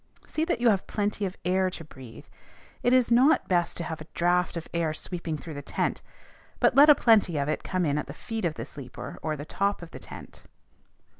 See that you have plenty of air to breathe. It is not best to have a draught of air sweeping through the tent, but let a plenty of it come in at the feet of the sleeper or top of the tent.